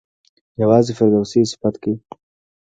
یوازې فردوسي یې صفت کوي.